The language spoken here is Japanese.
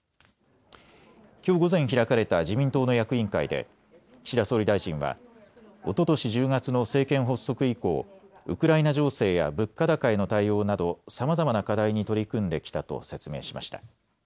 きょう午前開かれた自民党の役員会で岸田総理大臣はおととし１０月の政権発足以降、ウクライナ情勢や物価高への対応などさまざまな課題に取り組んできたと説明しました。